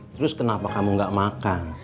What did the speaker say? terus kenapa kamu gak makan